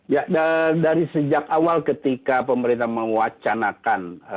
ya dari sejak awal ketika pemerintah mewacanakan